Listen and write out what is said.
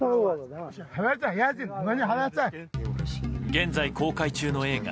現在公開中の映画